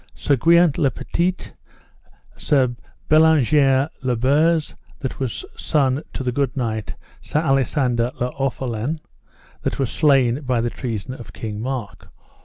Sir Guyart le Petite, Sir Bellangere le Beuse, that was son to the good knight, Sir Alisander le Orphelin, that was slain by the treason of King Mark.